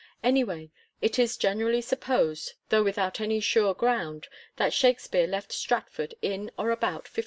Anyway, it is generally supposed, though without any sure ground, that Shakspere left Stratford in or about 1586.